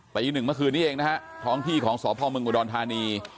ตีหนึ่งเมื่อคืนนี้เองนะฮะท้องที่ของสพมอุดรธานี